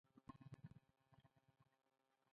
لورینټ کابیلا د موبوټو رژیم را نسکور کړ.